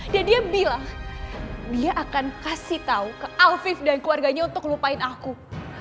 dan dia bilang dia akan kasih tau ke alvif dan keluarganya untuk lupain alvif